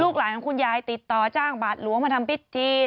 หลานของคุณยายติดต่อจ้างบาทหลวงมาทำพิธี